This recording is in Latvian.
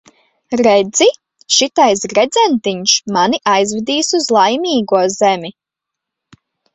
Redzi, šitais gredzentiņš mani aizvedīs uz Laimīgo zemi.